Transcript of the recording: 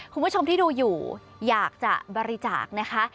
คุณผู้ชมที่ดูอยู่อยากจะบริจาคนะคะ